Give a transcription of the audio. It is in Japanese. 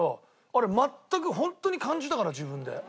あれ全くホントに感じたから自分で。